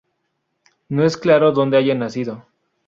No es claro dónde haya nacido.